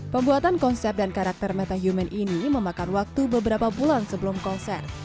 pembuatan konsep dan karakter metahuman ini memakan waktu beberapa bulan sebelum konser